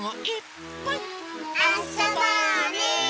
あそぼうね。